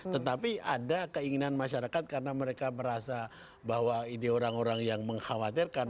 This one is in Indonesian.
tetapi ada keinginan masyarakat karena mereka merasa bahwa ide orang orang yang mengkhawatirkan